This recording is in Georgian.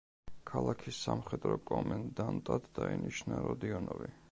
ქალაქის სამხედრო კომენდანტად დაინიშნა როდიონოვი.